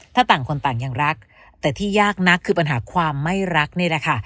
ถ้าต่างคนต่างยังรักแต่ที่ยากนักคือปัญหาความไม่รักนี่แหละค่ะ